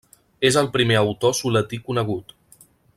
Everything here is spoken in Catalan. És el primer autor suletí conegut.